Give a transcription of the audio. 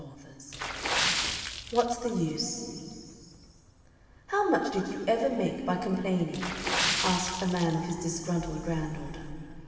WHAT'S THE USE "How much did you ever make by complaining?" asked a man of his "disgruntled" granddaughter.